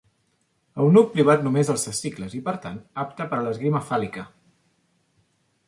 Eunuc privat només dels testicles i, per tant, apte per a l'esgrima fàl·lica.